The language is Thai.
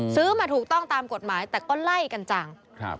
ซื้อมาถูกต้องตามกฎหมายแต่ก็ไล่กันจัง